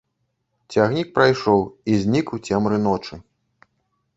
Цягнік прайшоў і знік у цемры ночы.